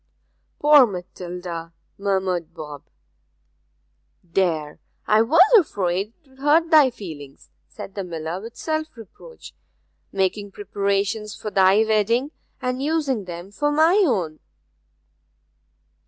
'Poor Matilda!' murmured Bob. 'There I was afraid 'twould hurt thy feelings,' said the miller, with self reproach: 'making preparations for thy wedding, and using them for my own!'